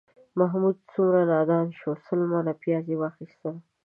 محمود څومره نادان شو، سل منه پیاز یې واخیستل